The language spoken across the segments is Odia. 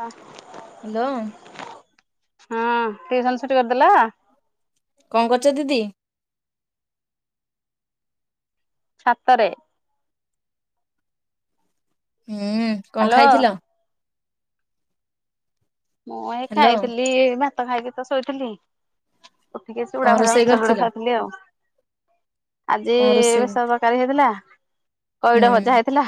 ଆ। ହାଲୋ। ହଁ ଟ୍ୟୁସନ୍ ଛୁଟି କରିଦେଲା? କଣ କରୁଚ ଦିଦି? ଛାତରେ। ହୁଁ କଣ ହ୍ୟାଲୋ ଖାଇଥିଲ? ମୁଁ ଏଇ ହ୍ୟାଲୋ ଖାଇଥିଲି ଭାତ ଖାଇକି ତ ଶୋଇଥିଲି। ଉଠିକି ଆସିକି କଣ ଛୁଡା ଭଜା ରୋଷେଇ ମିକ୍ଚିର ଯୋଡେ କରିଥିଲ? ଖାଇଥିଲି ଆଉ। ଆଜି କଣ ରୋଷେଇ ବେସନ ତରକାରୀ ହେଇଥିଲା ପଇଡ ଭଜା ହୁଁ ହେଇଥିଲା।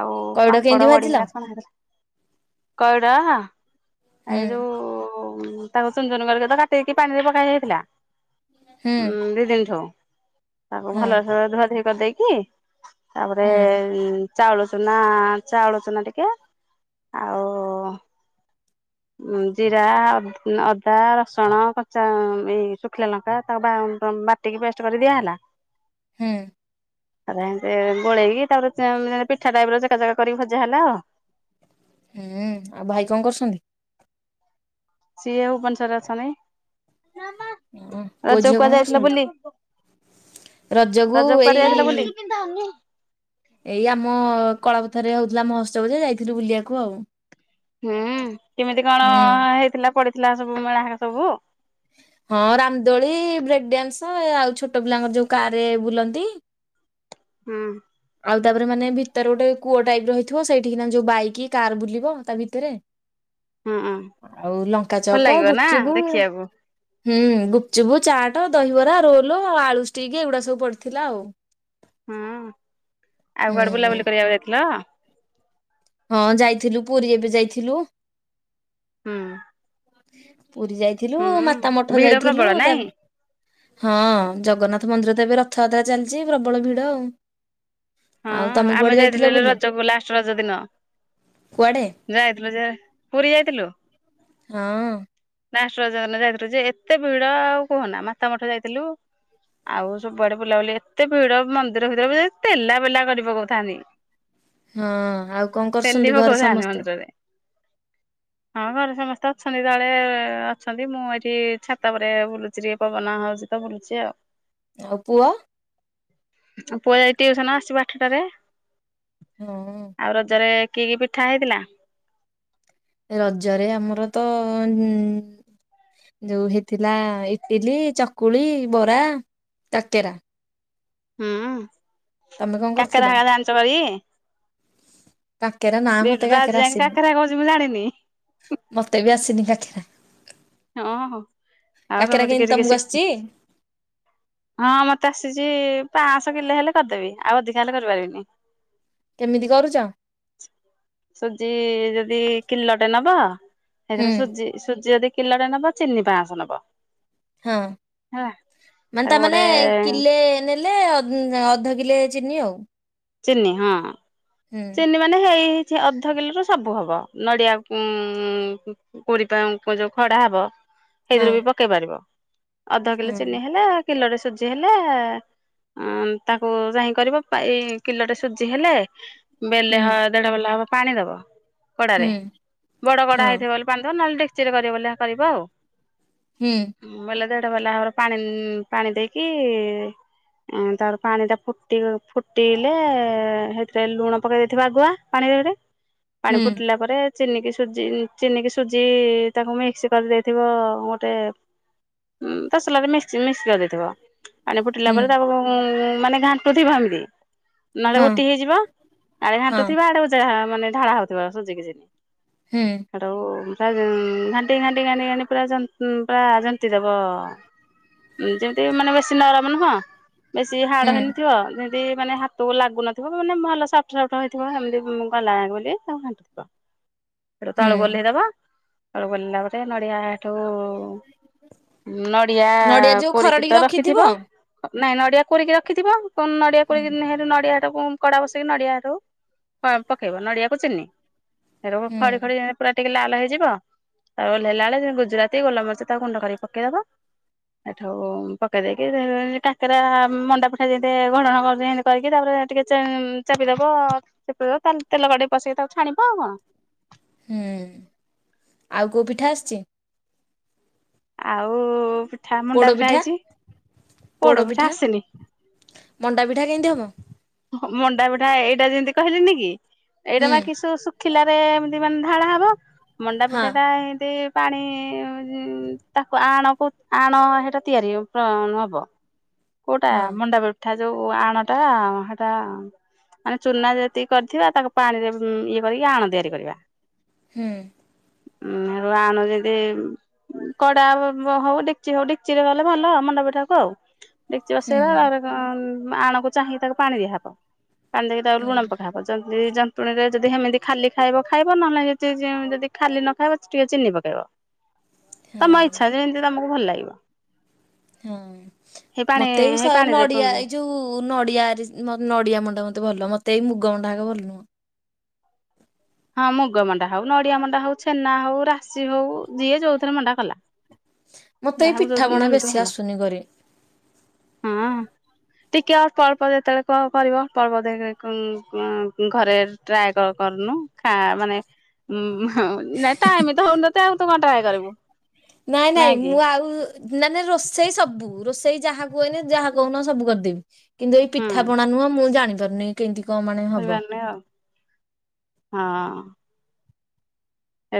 ଆଉ ପଇଡ କେମିତି ପାମ୍ପଡ ବଡ଼ି ଭାଜିଲ? ଛଣା ହେଇଥିଲା। ଏ ହୁଁ ଯୋଉ ତାକୁ ଚୁନଚୁନ କରିକି ତ କାଟକି ପାଣିରେ ପକା ହେଇଯାଇଥିଲା। ହୁଁ ଉଁ ଦି ଦିନଠୁ ତାକୁ ହଁ ଭଲସ ଧୁଆ ଧୁଇ କରିଦେଇକି ତାପରେ ହୁଁ ଚାଉଳ ଚୁନା ଚାଉଳ ଚୁନା ଟିକେ ଆଉ ଉଁ ଜିରା ଅତ୍ ନ ଅଦା ରସୁଣ କଚା ଏଇ ଶୁଖିଲା ଲଙ୍କା ତାକୁ ବା ବ ବା ଟିକେ ପେଷ୍ଟ କରିଦିଆ ଦେଇହେଲ। ହୁଁ ଆ ଗୋଳେଇକି ତା ପିଠା ଟାଇପ ର ଜା ଜାଗା କରିକି ଭଜା ହେଲା ଆଉ ହୁଁ ଆଉ ଭାଇ କଣ କରୁଛନ୍ତି ସିଏ ଭୁବନେଶ୍ୱରସ ରେ ଅଛନ୍ତି। ପୁଅ ଝିଅ ରଜକୁ କୁଆଡ କଣ ଯାଇଥିଲା କରୁଛନ୍ତି? ବୁଲି [unintelligible] ରଜକୁ କୁଆଡ ଯାଇଥିଲା ବୁଲି କେ ଏଇ ଆମ କଳାପଥରେ ହଉଥିଲା ମହା ଉତ୍ସବ ଯାଇଥିଲୁ ବୁଲିବାକୁ ଆଉ। ହୁଁ କେମିତି କଣ ହୁଁ ହେଇଥିଲା ପଡିଥିଲା ସବୁ ମଳା ସବୁ। ହଁ ରାମଦୋଳି ବ୍ରେକ୍ ଡ୍ୟାନ୍ସ ଆଉ ଛୋଟ ପିଲାଙ୍କର ଯୋଉ କାର ବୁଲନ୍ତି। ହୁଁ। ଆଉ ତାପରେ ମାନେ ଭିତରେ ଗୋଟେ କୂଅ ଟାଇପ ରହିଥିବ ସେଇଠ ନା ଯୋଉ ବାଇକ କି କାର ବୁଲିବ ତା ଭିତରେ। ହୁଁ ହୁଁ [inaudible] ଆଉ ଲଙ୍କା ଭଲ ଚପ ଲାଗିବ ନା ଗୁପଚୁପୁ ଦେଖିବାକୁ ହୁଁ ଗୁପଚୁପୁ ଚାଟ ଦହିବରା ରୋଲ ଆଉ ଆଳୁ ଷ୍ଟିକ୍ ଏଗୁଡା ସବୁ ପଡିଥିଲା ଆଉ। ହଁ ଆଉ ଗୁଆଡେ ହୁଁ ବୁଲାବୁଲି କରିବାକୁ ଯାଇଥିଲ ହଁ ଯାଇଥିଲୁ ପୁରୀ ଏବେ ଯାଇଥିଲୁ। ହୁଁ। ପୁରୀ ଯାଇଥିଲୁ ମାତା ହୁଁ ମଠ ଭିଡ ପ୍ରବଳ ଯାଇଥିଲୁ ତା ନାଇଁ? ହଁ ଜଗନ୍ନାଥ ମନ୍ଦିର ତ ଏବେ ରଥଯାତ୍ରା ଚାଲିଛି ପ୍ରବଳ ଭିଡ ଆଉ ହଁ ଆଉ ତମେ ଆମେ କୁଆଡେ ଯାଇଥିଲୁ ଯାଇଥିଲ ବୋଲି ରଜକୁ ଲାଷ୍ଟ ରଜ ଦିନ କୁଆଡେ- ଯାଇଥିଲୁ ଯେ ପୁରୀ ଯାଇଥିଲୁ ହଁ। ନାଷ୍ଟ ଯାଇଥିଲୁ ଯେ ଏତେ ଭିଡ ଆଉ କୁହନା ମାତା ମଠ ଯାଇଥିଲୁ। ଆଉ ସବୁଆଡେ ବୁଲାବୁଲି ଏତେ ଭିଡ ମନ୍ଦିର ଭିତରେ ବତେଲା ଖାଲକରି ପକୁଥାନ୍ତି ହଁ ଆଉ କଣ ତେଲି କରୁଛନ୍ତି ଘରେ ପକଉଥାନ୍ତି ସମସ୍ତେ। ମନ୍ଦିରରେ। ହଁ ଘରେ ସମସ୍ତେ ଅଛନ୍ତି ତଳେ ଅଛନ୍ତି ମୁଁ ଏଠି ଛାତା ପରେ ବୁଲୁ କଚ୍ରରିଏ ପବନା ହେଉଛି ତ ବୁଲୁଛି ଆଉ। ଆଉ ପୁଆ ଆ ପୁ ଯାଇ ଟିଉସନ ଆସିବ ଆଠଟାରେ ହଁ। ଆଉ ରଜରେ କିଏ କିଏ ପିଠା ହେଇଥିଲା। ରଜରେ ଆମର ତ ଯୋଉ ହେଇଥିଲା ଇଟିଲି ଚକୁଳି ବରା କେକେରା ହୁଁ ତମେ କଣ କରିଥିଲ? କେକେରା ରାନ୍ଧି ଜାଣିଛ କର କାକରେ ନାାଇଁ ବିଟୁ ମତେ ତ ଆଜି କାକରେ ଯାଏଁ ଆସିନି। କାକରା କହୁଛି ମୁଁ ଜାଣିନି ମତେ ବି ଆସିନି କାକେରା ହଁ। ଆଉ ତମେ କାକେରା ଟିକେ କେହିମତି ଟିକେ ତମକୁ ଶିଖ ଆସିଛି ହଁ ମତେ ଆସିଛି ପାଞ୍ଚଶହ କିଲେ ହେଲେ କରିଦେବି ଆଉ ଅଧିକା ହେଲେ କରିପାରିବିନି କେମିତି କରୁଛ। ସୁଜି ଯଦି କିଣିଲଟେ ନବା ହୁଁ ସେଇଥିରେ ସୁଜି ସୁଜି ଯଦି କିଲୋଟେ ନବ ଚିନି ପାଁଶ ନବ ହଁ। ହେଲା ମାନେ ତାକୁ ତାମାନୋନେ ଗୋଟେ କିଲେ ନେଲେ ଅଧ କିଲେ ଚିନି ଆଉ ଚିନ୍ନି ହଁ। ହୁଁ ଚିନି ମାନେ ହେଇ ହେଇଛି ଅଧ କିଲୋ ର ସବୁ ହବ ନଡିଆ ଉ କୋରି ପା ଯୋଉ ଖଡା ହବ ହଁ ସେଇଥିରୁ ବି ପକେଇ ପାରିବ ଅଧ ହଁ କିଲୋ ଚିନି ହେଲେ କିଲରେ ସୁଜି ହେଲେ ଅ ତାକୁ ଯାହିଁ କରିବ ପା ଏଇ କିଲୋଟେ ସୁଜି ହେଲେ। ବେଲେ ହୁଁ ହ ଦେଢ ବଲା ହବ ପାଣି ଦବ। କଡାରେ ହୁଁ ବଡ କଡା ହଁ ହେଇଥିବ ବ ବାନ୍ଧ ନହେଲେ ଡେକ୍ଚିରେ କରିବ ବୋଲି ଯାହା କରିବ ଆଉ। ହୁଁ। ବେଲେ ଦେଢ ବାଲା ଆବର ପାଣି ପାଣି ଦେଇକି ଅଁ ତାପରେ ପାଣି ଟା ଫୁଟି ଫୁଟିଲେ ସେଇଥିରେ ଲୁଣ। ପକେଇ ଦେଇଥିବେ ଆଗୁଆ ପାଣିରେ ଗୋଟେ ପାଣି ହୁଁ ଫୁଟିଲା ପରେ। ଚିନିକି ସୁଜି ଚିନିକି ସୁଜି ତାଙ୍କୁ ମିକ୍ସ କରିଦେଇଥିବ ଗୋଟେ ଉଁ ତସଲା ମିକ୍ସ [unintelligible] ମିକ୍ସ ଲଗେଇ ଦେଇଥିବ। ପାଣି ଫୁଟିଲା ହୁଁ ପରେ ତାକୁ ଉଁ ମାନେ ଘାଣ୍ଟୁ ଥିବ ଏମିତି, ନହେଲେ ହଁ ଗୋଟି ହେଇଯିବ। ଆଡେ ଘାଣ୍ଟୁ ହଁ ଥିବା ଆଡେ ମାନେ ଯା ଢଳା ହଉଥିବ ସୁଜିକି ଚିନି। ହୁଁ। ସେଟୁ ଫାଷ୍ଟ୍ ଘାଣ୍ଟି ଘାଣ୍ଟି ଘାଣ୍ଟି ଘାଣ୍ଟି ପୁରା ଜନ୍ତ୍ ପୁରା ଜନ୍ତିଦବ। ଯେମିତି କି ମାନେ ବେଶୀ ନରମ ନୁହଁ। ବେଶୀ ହାଡ଼ ହୁଁ ହେଇନଥିବ ଯେମିତି ମାନେ ହାତକୁ ଲାଗୁନଥିବ ମାନେ ଭଲ ସ [unintelligible] ଟୋଟଇଥିବ ଏମିତି ମୁଁ ଗାଲା ବୋଲି ତାକୁ ହାଟୁଥିବ ହେଟୁ ତଳକୁ ହୁଁ ଓହ୍ଲେଇ ଦବ, ତଳକୁ ଓହ୍ଲେଇଲା ପରେ ନଡିଆ ଠୁ ନଡିଆ ନଡିଆ ଯୋଉ କୋରିକି ଖରଡିକି ତ ରଖିଥିବ। ନାଇଁ ନଡିଆ କୋରିକି ରଖିଥିବ ନଡିଆ ହୁଁ କୋରିକ [unintelligible] ରୁ ନଡିଆ କଡା ବସେଇକି ନଡିଆ। ପକେଇବ ନଡିଆକୁ ଚିନି, ସେଠୁ ହୁଁ ଖଡି ଖଡି ପୁରା ଟିକେ ଲାଲ ହେଇଯିବ, ତାପରେ ଓଲ୍ହେଇଲା ବେଳେ ଗୁଜୁରାତି, ଗୋଲମରିଚ ତାକୁ ଗୁଣ୍ଡ କରିକି ପକେଇଦବ। ସେଠୁ ପକେଇ ଦେଇେଇକି କାକେରା ମଣ୍ଡା ପିଠା ଯେମିତି ଘଡା [unintelligible] କରଛିମ କରିକି ତାପରେ ଟିକେ ଚାପିଦବ ଚପିଦବ ତେଲ ଗେଇ ପସେଇକି ତାକୁ ଛାଣିବ ଆଉ କଣ। ହୁଁ ଆଉ କଉ ପିଠା ଆସିଛି? ଆଉ ପିଠା ମଣ୍ଡା ପିଠା ହେଇଛି, ପୋଡ ପିଠା ଆସେନି। ମଣ୍ଡା ପିଠା କେମିତି ହେବ? ମଣ୍ଡା ପିଠା ଏଇଟା ଯେମିତି କହିଲିନି କି, ଏଇଟା ହୁଁ ବା କି ସ ଖିଲାରେ ଏମିତି ମାନେ ଢାଳା ହବ, ମଣ୍ଡା ହଁ ପିଠା ଟା ଏମିତି। ପାଣି ତାକୁ ଆଣକୁ ଆଣ ହେଟ ତିଆରି ପ୍ର ହବ। [inaudible] କୋଉଟା ମଣ୍ଡା ପିଠା ଯୋଉ ଆଣଟା ସେଟା ମାନେ ଚୁନା ଯେତିକି କରିଥିବା ତାକୁ ପାଣିରେ ଇଏ କରିକି ଆଣ ତିଆରି କରିବା। ହୁଁ। ଉଁ [unintelligible] ଆଣ ଯେମିତି। କଡା ହଉ ଡେଚି ହଉ ଡେକ୍ଚି ରେ କଲେ ଭଲ ମଣ୍ଡପିଠାକୁ ଆଉ। ଡେକ୍ଚି ହୁଁ ବସେଇବା ତାପରେ କଣ ଆଣକୁ ଚାହିଁକି ତାକୁ ପାଣି ଦିଆହବ, ପାଣି ଦେଇକି ତାକୁ ହୁଁ ଲୁଣ ପକାହବ। ଯନ୍ତ୍ ଯନ୍ତୁଣୀରେ ଯଦି ସେମିତି ଖାଲି ଖାଇବ ଖାଇବ ନହେଲେ ଯଦି ଖାଲି ନ ଖାଇବ ଟିକେ ଚିନି ପକେଇବ। [inaudible] ତମ ଇଚ୍ଛା ଯେମିତି ତମକୁ ଭଲ ଲାଗିବ। ହଁ ହେଇ ପାଣି ମତେ ଏଇ ହେଇ ସା ନଡିଆ ପାଣିରେ ଏଇ ଯୋଉ ନଡିଆରେ ନଡିଆ ମଣ୍ଡା ମୋତେ ଭଲ ମତେ ଏଇ ମୁଗ ମଣ୍ଡାକ ଭଲ ନୁହଁ। ହଁ ମୁଗ ମଣ୍ଡା ହଉ, ନଡିଆ ମଣ୍ଡା ହଉ, ଛେନା ହଉ, ରାଶି ହଉ, ଯିଏ ଯୋଉଥିରେ ମଣ୍ଡା କଲା। ମତେ ଏଇ ଯାହାକୁ ଯୋଉ ପିଠାପଣା ଯେମିତି ବେଶି ଭଲ ଆସୁନି କରି। ହଁ। ଟିକିଏ ଅଳ୍ପ ଅଳ୍ପ ଯେତେବେଳେ କ ଅ କରିବ ଅଳ୍ପ ଅଳ୍ପ ଦେବେକ ଅଁ ଘରେ। ଟ୍ରାଏ କଲ୍ କରୁନୁ। ଖା ମାନେ ମୁ ହଁ ଟାଇମ୍ ତ ହୋଉନଥିବ ଆଉ ତୁ କଣ ଟ୍ରାଏ କରିବୁ। ନାଇଁ ନାଇଁ ମୁଁ ଆଉ ନାଇଁ ନାଇଁ ରୋଷେଇ ସବୁ ରୋଷେଇ ଯାହା କୁଏନେ ଯାହା କହୁନ ସବୁ କରିଦେବି। କିନ୍ତୁ ଏଇ ହୁଁ ପିଠା ପଣା ନୁହଁ ମୁଁ ଜାଣି ପାରୁନି କିମିତି କଣ ମାଣେ। ଏଇ ବାନେ ଆଉ ହଁ।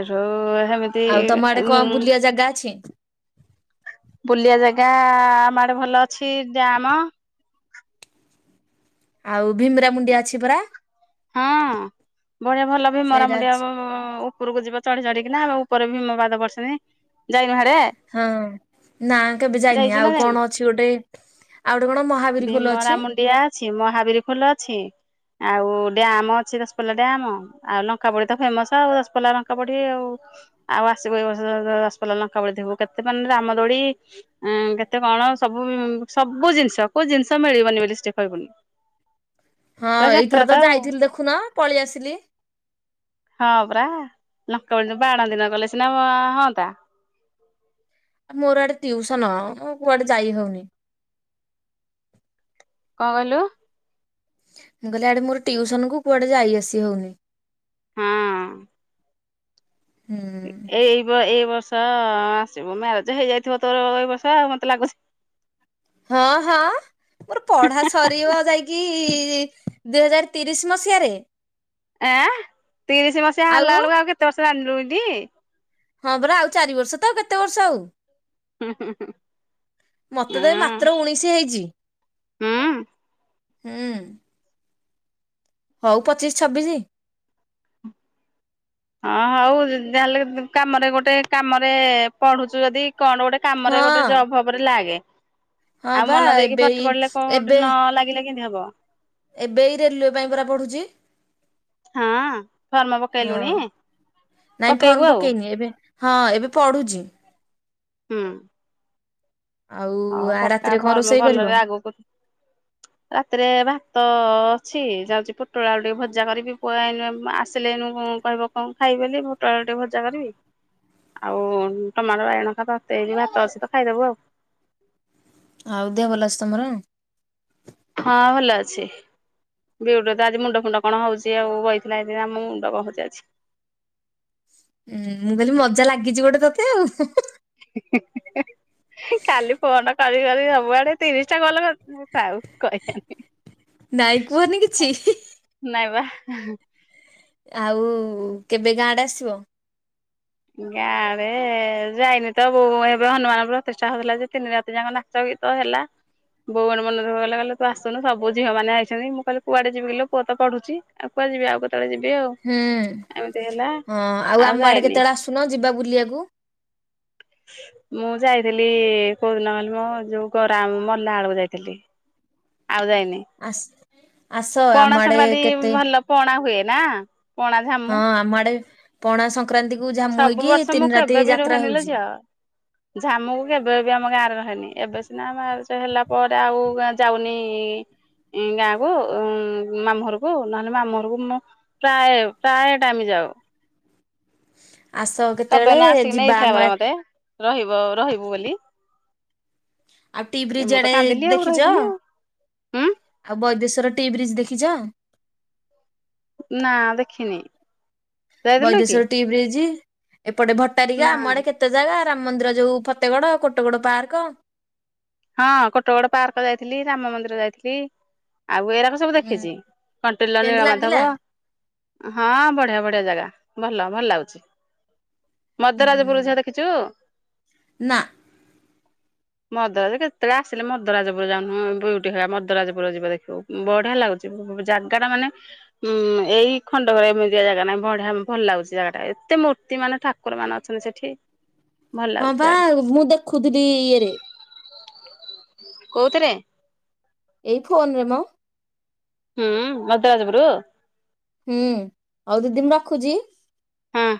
ଏଇସବୁ ହେମିତ୍। ଆଉ ତମ ଆଡେ କଣ ବୁଲିବା ଜାଗା ଅଛି? ବୁଲିିବା ଜାଗା ଆମଆଡେ ଭଲ ଅଛି। ଡ୍ୟାମ ଆଉ ଭିମିରା ମୁୁଣ୍ଡିଆ ଅଛି ପରା? ହଁ। ବଢିଆ ଭଲ ବି ସେଇଟା ମରାମୁଡିଆ ଅଛି। ଉପରକୁ ଯିବା ଚଢି ଚଢିକିନା ଆଉ ଉପରେ ଭୀମ ପାଦ ବର୍ସେରେ ଯାଇ ବାହାରେ। ହଁ। ନା କେବେ ଯାଇନି। ନା ଆଉ ଯାଇନୁ କଣ ଅଛି ଗୋଟେ? ଆଉ ଗୋଟେ କଣ ମହାବୀର ଖୋଲୋ ଅଛି। ସେ ମହାବୀର ଖୋଲ ଅଛି। ଆଉ ଡ୍ୟାମ ଅଛି ଦଶପଲ୍ଲା ଡ୍ୟାମ ଆଉ ଲଙ୍କା ପୋଡି ତ ଫେମସ ଆଉ ଦଶପଲା ଲଙ୍କା ପୋଡି ଆଉ। ଆଉ ଆସିବୁ ଏ ବର୍ଷ ଦ ଦ ଦଶପଲା ଲଙ୍କା ପୋଡିଥିବୁ। କେତେ ମାନେ ରାମ ଦୋଳି ଏଁ କେତେ କଣ ସବୁ ସବୁ ଜିନିଷ କୋଉ ଜିନିଷ ମିଳିବନି ବୋଲି ସେଠି କହିବୁନି। ହଁ ପୁରା ଯାତ୍ରା ତ ଏଇଥରତ ଆଉ ଯାଇଥିଲି ଦେଖୁନ ପଳେଇ ଆସିଲି। ହଁ ପରା ଲଙ୍କାପୋଡି ଦିନ ବାଣ ଦିନ ଗଲେ ସିନା ହଁନ୍ତା। ଆଉ ମୋର ଆଡେ ଟିଉସନ ମୁଁ କୁଆଡେ ଯାଇ ହୋଉନି। କଣ କହିଲୁ? ମୁଁ କହିଲେ ଆଡେ ମୋର ଟିଉସନକୁ କୁଆଡେ ଯାଇ ଆସି ହୋଉନି। ହଁ। ହୁଁ। ଏ ଏଇ ଏଇ ଏଇବର୍ଷ ଆସିବୁ ମ୍ୟାରେଜ ହେଇଯାଇଥିବତ ତୋର ଏଇ ବର୍ଷ ଆଉ ମତେ ଲାଗୁଚି। ହଁ ହଁ। ମୋର ପଢା ସରିବ ଯାଇକି ଦୁଇ ହଜାର ତିରିଶ ମସିହାରେ। ଆଁ ତିରିଶ ମସିହା ହେଲା ବେଳକୁ ଆଉ କେତେ ବର୍ଷ ଯାଣିଲୁଣିଟି? ହଁ ପରା ଆଉ ଚାରି ବର୍ଷତ ଆଉ କେତେ ବର୍ଷ ଆଉ? ହୁଁ ହୁଁ ହୁଁ ମତେତ ଏ ମାତ୍ର ଉଣେଇଶି ହେଇଚି। ହୁଁ ହୁଁ। ହୁଁ। ହଉ ପଚିଶି ଛବିଶି। ହଁ ହଉ ଯାହାହେଲେ କାମରେ ଗୋଟେ କାମରେ ପଢୁଚୁ ଯଦି କଣ ଗୋଟେ କାମରେ ହଁ ଗୋଟେ ଜବ୍ ଫବ୍ ରେ ଲାଗେ। ହଁ ଆଉ ବା ମନ ଦେଇକି ଏବେ ପାଠ ଏଇ ପଢିଲେ କୋଉଁଠି ଏବେ ନ ଲାଗିଲେ କେମିତି ହବ। ଏବେ ଏଇ ରେଲୁୱେ ପାଇଁ ପରା ପଢ଼ୁଚି। ହଁ ଫର୍ମ ହଁ ପକେଇଲୁଣି ନାଇଁ ପକେଇବୁ ଫର୍ମ ଆଉ ପକେଇନି ଏବେ ହଁ ଏବେ ପଢୁଚି। ହୁଁ। ଆଉ ହଉ ଆ ପକା ରାତିରେ କଣ ଫର୍ମ ରୋଷେଇ କରିବ? ଭଲରେ ଆଗକୁ ରାତିରେ ଭାତ ଅ ଅଛି। ଯାଉଛି ପୋଟଳ ଆଳୁ ଟିକିଏ ଭଜା କରିକି ପୁୁଅ ଆଇଲା ଆସିଲେ ଏନୁ କହିବ କଣ ଖାଇବ ବୋଲି ପୋଟଳ ଆଳୁ ଟିକେ ଭଜା କରିବି ଆଉ ଟମାଟ ବାଇଗଣ [unintelligible] [unintelligible] ଭାତ ଅଛି ତ ଖାଇଦବୁ ଆଉ। ଆଉ ଦେହ ଭଲ ଅଛି ତମର? ହଁ ଭଲ ଅଛି। ବିଉଟି ର ତ ଆଜି ମୁଣ୍ଡ ଫୁଣ୍ଡ କଣ ହଉଚି ଆଉ ବଇଥିଲା ଏଇଖିନା ଆଉ ମୁଣ୍ଡ କଣ ହଉଚି ଆଜି। ହୁଁ ମୁଁ କହିଲି ମଜା ଲାଗିଚି ଗୋଟେ ତୋତେ ଆଉ। କାଲି ଫୋନ କରି କରି ସବୁଆଡେ ତିରିଶ ଟା ଗଲ କେ ଥାଉ କହିବନି ନାଇଁ କୁହନି କିଛି। ନାଇଁ ବା। ଆଉ କେବେ ଗାଁ ଆଡେ ଆସିବ। ଗାଁ ଆଡେ ଯାଇନି ତ ବୋ ଏବେ ହନୁମାନ ପ୍ରତିଷ୍ଠା ହଉଥିଲା ଯେ ତିନି ରାତି ଯାକ ନା ଚ ଗୀତ ହେଲା। ବୋଉ ବଡ଼ ମନ ଦୁଖଃ କାଲା କହିଲା ତୁ ଆସୁନୁ ସବୁ ଝିଅ ମାନେ ଆଇଚନ୍ତି। ମୁଁ କହିଲି କୁଆଡେ ଯିବି କିଲୋ ପୁଅ ତ ପଢ଼ୁଚି। ଆଉ କୁଆଡେ ଯିବି ଆଉ କେତବେଳେ ଯିବି ଆଉ। ହୁଁ ଏମିତି ହେଲା ହଁ ଆଉ ଆମ ଆଡେ କେତେବେଳେ ଆସୁନ ଯିବା ବୁଲିବାକୁ। ମୁଁ ଯାଇଥିଲି କୋଉ ଦିନ କହିଲ ମୋ ଯୋଉ ଗଉରା ମାମୁଁ ମଲା ବେଳକୁ ଯାଇଥିଲି। ଆଉ ଯାଇନି। ଆସ ଆସ ପଣା ଆମ ଆଡେ ସଂକ୍ରାନ୍ତି କେତେ ଭଲ ପଣା ହୁଏ ନା? ପଣା ହଁ ଝାମୁ ଆମ ଆଡେ ପଣା ସଂକ୍ରାନ୍ତି କୁ ଝାମୁ ସବୁ ହେଇକି ବର୍ଷ ମୁଁ ତିନି ରାତି କେବେ ବି ଯାତ୍ରା ରୁହେନି ଲୋ ହଉଚି। [inaudible] ଝିଅ ଝାମୁକୁ କେବେ ବି ଆମ ଗାଁରେ ରହେନି। ଏବେ ସିନା ଆମ ବାହା ସା ହେଲା ପରେ ଆଉ ଯାଉନି ଇ ଗାଁ କୁ ମାମୁଁ ଘରକୁ ନହେଲେ ମାମୁଁ ଘରକୁ ମୁଁ ପ୍ରାୟ ପ୍ରାୟ ଟାଇମ ଯାଉ। ଆସ କେତେବେଳେ [unintelligible] ଆସି ଯିବା ନେଇଥିଲା ଆମ ବରା ମତେ ରହିବ ରହିବୁ ବୋଲି। ଆଉ ଟି ବ୍ରିଜ ମୁଁ ତ ଆଡେ କାନ୍ଦିଲି ଦେଖିଚ ରହିଲିନି ଆଉ ହୁଁ ବୈଦେଶ୍ୱର ଟି ବ୍ରିଜ ଦେଖିଚ? ନାଁ ଦେଖିନି। ଯାଇଥିଲୁ କି ବୈଦେଶ୍ଵର ଟି ବ୍ରିଜ ଏପଟେ ଭଟାରିକା ନା ଆମ ଆଡେ କେତେ କେତେ ଜାଗା ରାମ ମନ୍ଦିର ଯୋଉ ଫତେଗଡ କୋଟଗଡ ପାର୍କ। ହଁ କୋଟଗଡ ପାର୍କ ଯାଇଥିଲି ରାମ ମନ୍ଦିର ଯାଇଥିଲି। ଆଉ ଏରାକ ସ ସବୁ ହୁଁ ଦେଖିଚି କଣ୍ଟେଲର କେମିତି ନୀଳ ଲାଗିଲା? ମାଧବ। ହଁ ବଢିଆ ବଢିଆ ଜାଗା ଭଲ ଭଲ ଲାଗୁଚି। ମଦରାଜପୁୁର ଝିଅ ଦେଖିଚୁ? ନା ମଦ କେତେବେଳେ ଆସିଲେ ମଦରାଜପୁର ଯାଉନୁ ବିୟୁଟି ହରା ମଦରାଜପୁର ଯିବ ଦେଖୁବୁ ବଢିଆ ଲାଗୁଚି। ଯଉ ଜାଗା ଟା ମାନେ ହୁଁ ଏଇ ଖଣ୍ଡକରେ ଏମିତିଆ ଜାଗା ନହିଁ। ବଢିଆ ଭଲ ଲାଗୁଚି ଜାଗାଟା ଏତେ ମୂର୍ତ୍ତି ମାନେ ଠା କୁକୁର ମାନ ଅଛନ୍ତି ସେଠି। ଭଲ ହଁ ଲାଗୁଛି ବା ଜାଗା ମୁଁ ଦେଖୁଥିଲି ଇ ଇଏରେ। କଉଥିରେ? ଏଇ ଫୋନ ରେ ମ। ହୁଁ ମଦରାଜପୁର? ହୁଁ ହଉ ଦିଦି ମୁଁ ରଖୁଜି? ହଁ।